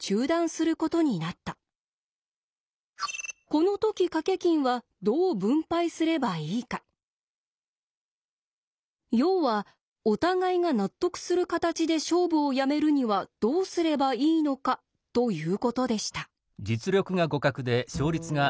その問題とは要はお互いが納得する形で勝負をやめるにはどうすればいいのかということでした。